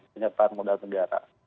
penyertaan modal negara